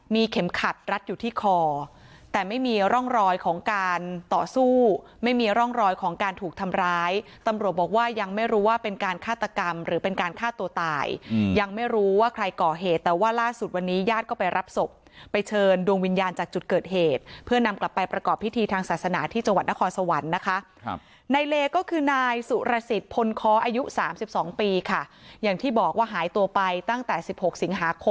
มีเข็มขัดรัดอยู่ที่คอแต่ไม่มีร่องรอยของการต่อสู้ไม่มีร่องรอยของการถูกทำร้ายตำรวจบอกว่ายังไม่รู้ว่าเป็นการฆ่าตกรรมหรือเป็นการฆ่าตัวตายอืมยังไม่รู้ว่าใครก่อเหตุแต่ว่าล่าสุดวันนี้ญาติก็ไปรับศพไปเชิญดวงวิญญาณจากจุดเกิดเหตุเพื่อนำกลับไปประกอบพิธีทางศาสนาที่จังหวัดนคร